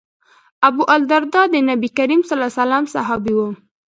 ابوالدرداء د نبي کریم ص صحابي و.